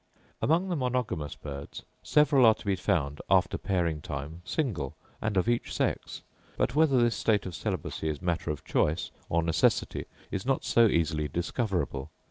Among the monogamous birds several are to be found, after pairing time, single, and of each sex: but whether this state of celibacy is matter of choice or necessity, is not so easily discoverable.